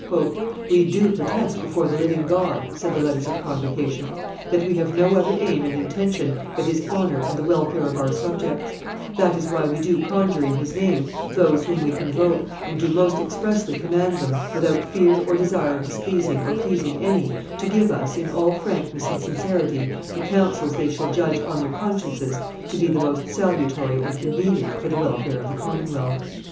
"We do protest before the living God," said the letters of convocation, "that we have no other aim and intention but His honor and the welfare of our subjects; that is why we do conjure in His name those whom we convoke, and do most expressly command them, without fear or desire of displeasing or pleasing any, to give us, in all frankness and sincerity, the counsels they shall judge on their consciences to be the most salutary and convenient for the welfare of the commonwealth."